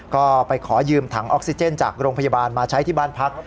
ก็ไปขอยืมถังออกซิเจนจากโรงพยาบาลมาใช้ที่บ้านพัก